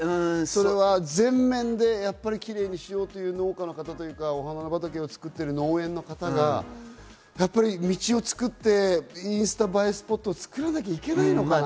前面でキレイにしようという農家の方、お花畑を作っている農園の方が道を作ってインスタ映えスポットを作らなきゃいけないのかな。